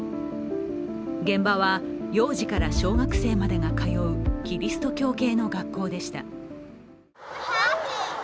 現場は幼児から小学生まで通うキリスト教系の学校でした。